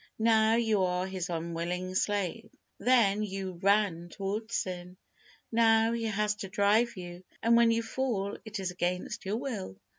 Now, you are his unwilling slave. Then, you ran towards sin, now, he has to drive you, and when you fall, it is against your will.